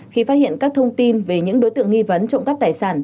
khi phát hiện các thông tin về những đối tượng nghi vấn trộm cắp tài sản